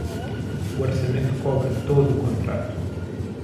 O orçamento cobre todo o contrato.